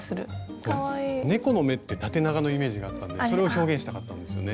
猫の目って縦長のイメージがあったんでそれを表現したかったんですよね。